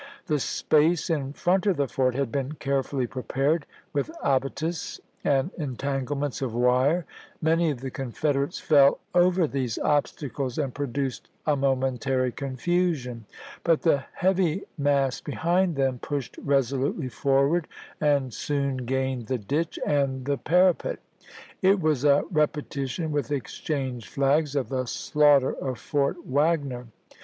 The space in front of the fort had been carefully prepared with abatis and entanglements of wire ; many of the Confederates fell over these obstacles and produced a momentary confusion; but the heavy mass behind them pushed resolutely forward, and soon gained the ditch and the para pet. It was a repetition, with exchanged flags, of the slaughter of Fort Wagner.